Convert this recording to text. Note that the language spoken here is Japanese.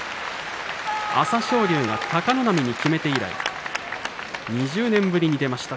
朝青龍が貴ノ浪にきめて以来２０年ぶりに出ました